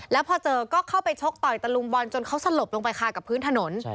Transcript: แล้วพอเจอก็เข้าไปชกต่อยตะลุมบอลจนเขาสลบลงไปค่ะกับพื้นถนน